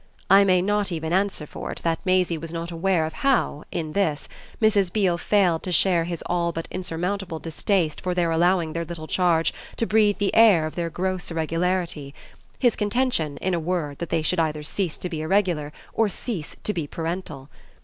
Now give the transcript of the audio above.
I may not even answer for it that Maisie was not aware of how, in this, Mrs. Beale failed to share his all but insurmountable distaste for their allowing their little charge to breathe the air of their gross irregularity his contention, in a word, that they should either cease to be irregular or cease to be parental.